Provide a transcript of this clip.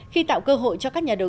khi tạo cơ hội cho các nhà đồng tiền